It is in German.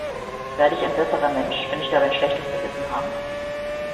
Werde ich ein besserer Mensch, wenn ich dabei ein schlechtes Gewissen habe?